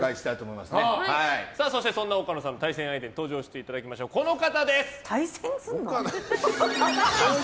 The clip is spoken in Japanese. そしてそんな岡野さんの対戦相手に登場していただきます。